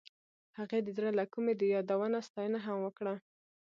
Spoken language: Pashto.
هغې د زړه له کومې د یادونه ستاینه هم وکړه.